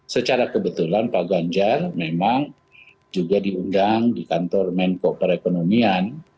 secara kebetulan pak ganjar memang juga diundang di kantor menko perekonomian